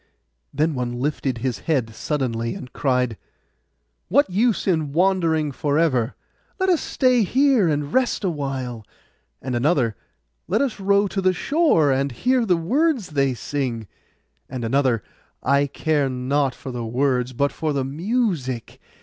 Then one lifted his head suddenly, and cried, 'What use in wandering for ever? Let us stay here and rest awhile.' And another, 'Let us row to the shore, and hear the words they sing.' And another, 'I care not for the words, but for the music.